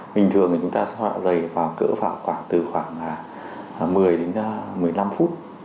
bình thường thì chúng ta sẽ dạ dày vào cỡ khoảng từ khoảng một mươi đến một mươi năm phút